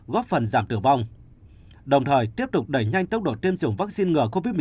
góp phần giảm tử vong đồng thời tiếp tục đẩy nhanh tốc độ tiêm chủng vaccine ngừa covid một mươi chín